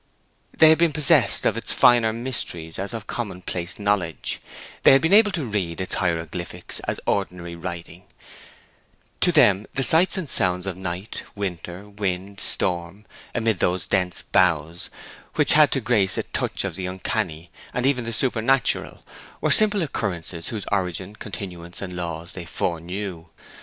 They had been possessed of its finer mysteries as of commonplace knowledge; had been able to read its hieroglyphs as ordinary writing; to them the sights and sounds of night, winter, wind, storm, amid those dense boughs, which had to Grace a touch of the uncanny, and even the supernatural, were simple occurrences whose origin, continuance, and laws they foreknew.